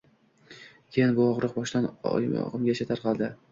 keyin bu ogʻriq boshdan oyogʻimgacha tarqadi.